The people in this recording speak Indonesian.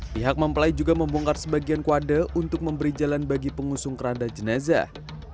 pihak mempelai juga membongkar sebagian kuade untuk memberi jalan bagi pengusung keranda jenazah